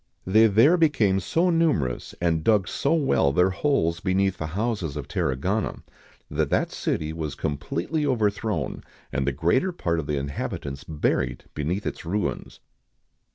They there became so numerous, and dug so well their holes beneath the houses of Tarragona, that that city was completely overthrown, and the greater part of the inhabitants buried beneath its ruins.